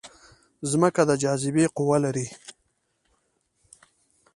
ځمکه د جاذبې قوه لري